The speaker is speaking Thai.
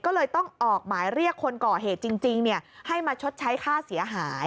ก็เลยต้องออกหมายเรียกคนก่อเหตุจริงให้มาชดใช้ค่าเสียหาย